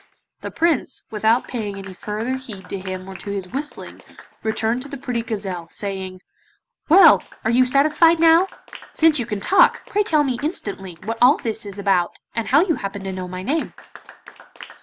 The Prince without paying any further heed to him or to his whistling returned to the pretty gazelle, saying: 'Well! are you satisfied now? Since you can talk, pray tell me instantly what all this is about, and how you happen to know my name.